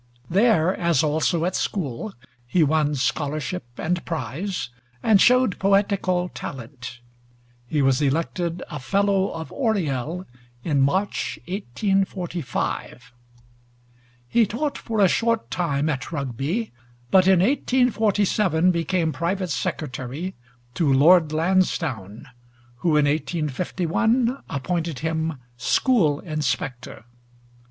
There, as also at school, he won scholarship and prize, and showed poetical talent. He was elected a fellow of Oriel in March, 1845. He taught for a short time at Rugby, but in 1847 became private secretary to Lord Lansdowne, who in 1851 appointed him school inspector.